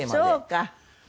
そうか。